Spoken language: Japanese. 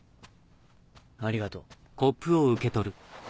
ありがとう。